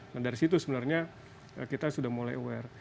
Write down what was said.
nah dari situ sebenarnya kita sudah mulai aware